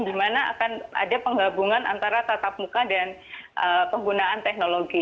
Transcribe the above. di mana akan ada penggabungan antara tatap muka dan penggunaan teknologi